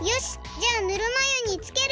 じゃあ「ぬるまゆにつける」！